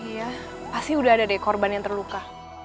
iya pasti udah ada deh korban yang terluka